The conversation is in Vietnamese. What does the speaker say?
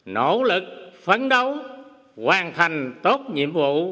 nỗ lực phấn đấu hoàn thành tốt nhiệm vụ